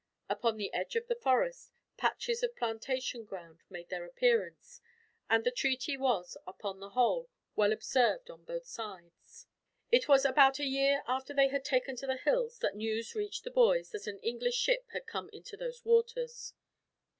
Upon the edge of the forest, patches of plantation ground made their appearance; and the treaty was, upon the whole, well observed on both sides. It was about a year after they had taken to the hills that news reached the boys that an English ship had come into those waters.